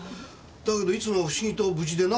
だけどいつも不思議と無事でな？